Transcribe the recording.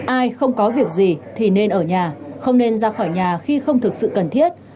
ai không có việc gì thì nên ở nhà không nên ra khỏi nhà khi không thực sự cần thiết